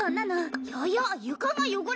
やや床が汚れてる。